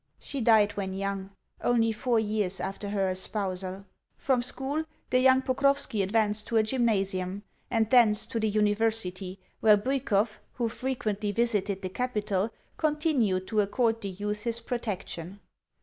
She died when young only four years after her espousal. From school the young Pokrovski advanced to a gymnasium, [Secondary school.] and thence to the University, where Bwikov, who frequently visited the capital, continued to accord the youth his protection.